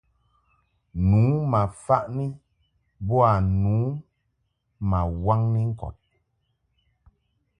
Nu ma faʼni boa ma waŋni ŋkɔd.